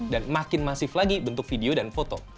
makin masif lagi bentuk video dan foto